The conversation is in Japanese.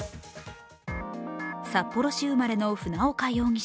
札幌市生まれの船岡容疑者。